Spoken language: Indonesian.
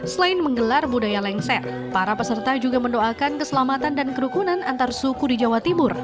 selain menggelar budaya lengser para peserta juga mendoakan keselamatan dan kerukunan antar suku di jawa timur